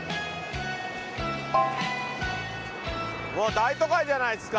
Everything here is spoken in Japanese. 大都会じゃないっすか！